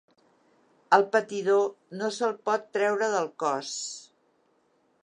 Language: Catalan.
El patidor no se'l pot treure del cos.